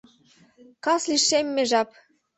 Кас лишемме жап.